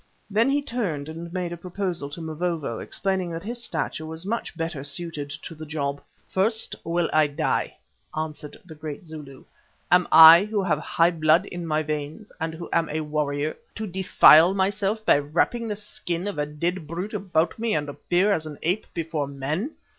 Then he turned and made a proposal to Mavovo, explaining that his stature was much better suited to the job. "First will I die," answered the great Zulu. "Am I, who have high blood in my veins and who am a warrior, to defile myself by wrapping the skin of a dead brute about me and appear as an ape before men?